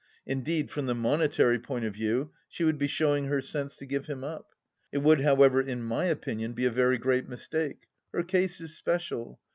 ... Indeed, from the monetary point of view, she would be showing her sense to give him up. It would, however, in my opinion be a very great mistake. Her case is special.